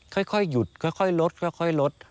ค่อยหยุดค่อยลดค่อยลด